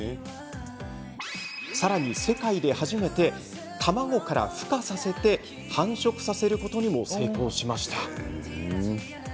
さらに世界で初めて卵から、ふ化させて繁殖させることにも成功しました。